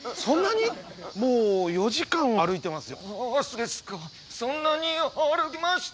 もう４時間は歩いてますよ。